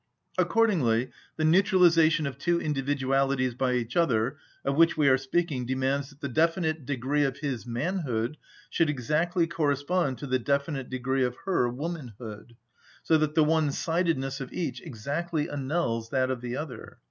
Accordingly, the neutralisation of two individualities by each other, of which we are speaking, demands that the definite degree of his manhood shall exactly correspond to the definite degree of her womanhood; so that the one‐ sidedness of each exactly annuls that of the other.